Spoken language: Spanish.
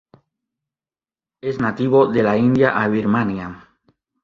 Es nativo de la India a Birmania.